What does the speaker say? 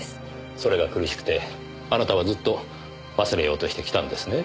それが苦しくてあなたはずっと忘れようとしてきたんですね。